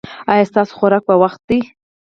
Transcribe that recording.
ایا ستاسو خوراک په وخت دی؟